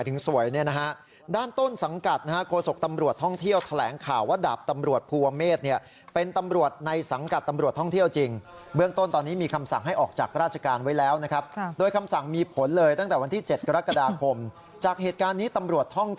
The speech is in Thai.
เท่านั้นคือที่ตำรวจท่องเที่ยวนะครับคุณ